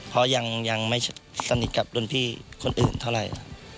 เพราะยังไม่สนิทกับรุ่นพี่คนอื่นเท่าไหร่